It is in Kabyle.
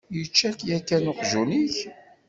Yečča-k yakan uqjun-ik?